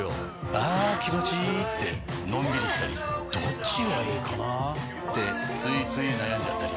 あ気持ちいいってのんびりしたりどっちがいいかなってついつい悩んじゃったり。